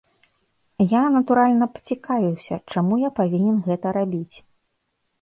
Я, натуральна, пацікавіўся, чаму я павінен гэта рабіць.